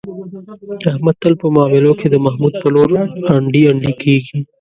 احمد تل په معاملو کې، د محمود په لور انډي انډي کېږي.